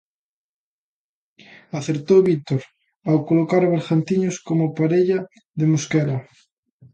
Acertou Víctor ao colocar Bergantiños como parella de Mosquera.